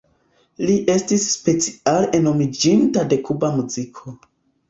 Li estis speciale enamiĝinta de Kuba muziko.